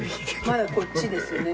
まだこっちですね多分。